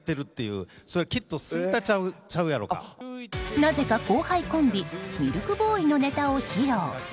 なぜか後輩コンビミルクボーイのネタを披露。